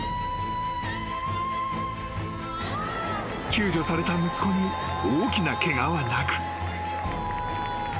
［救助された息子に大きなケガはなく］